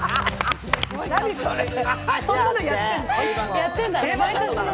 そんなことやってるの？